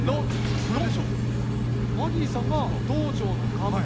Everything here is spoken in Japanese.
マギーさんが道場の看板。